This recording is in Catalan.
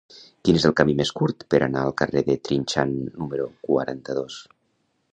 Quin és el camí més curt per anar al carrer de Trinxant número quaranta-dos?